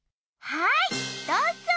はいどうぞ。